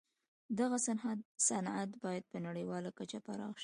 دغه صنعت باید په نړیواله کچه پراخ شي